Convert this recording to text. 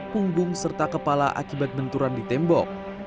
punggung serta kepala akibat benturan di tembok